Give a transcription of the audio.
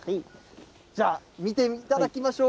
じゃあ、見ていただきましょう。